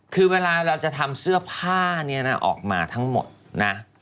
คือเวลาเราจะทำเสื้อผ้าเนี่ยนะออกมาทั้งหมดนะ